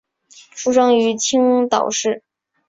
出生于青岛市。